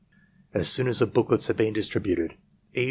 As soon as the booklets have been distributed, E.